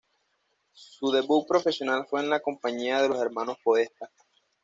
Su debut profesional fue en la compañía de los hermanos Podestá.